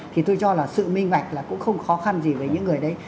thì tôi cho là sự minh bạch là cũng không khó khăn gì với những người đấy